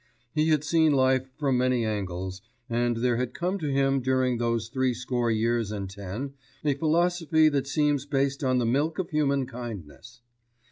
He has seen life from many angles, and there has come to him during those three score years and ten a philosophy that seems based on the milk of human kindness.